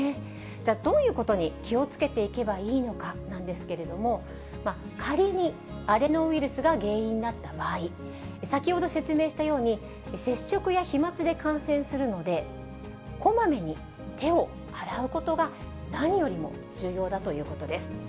じゃあ、どういうことに気をつけていればいいのかなんですけれども、仮にアデノウイルスが原因だった場合、先ほど説明したように、接触や飛まつで感染するので、こまめに手を洗うことが何よりも重要だということです。